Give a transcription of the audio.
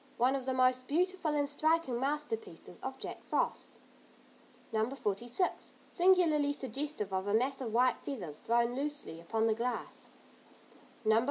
One of the most beautiful and striking masterpieces of Jack Frost. No. 46. Singularly suggestive of a mass of white feathers thrown loosely upon the glass. No.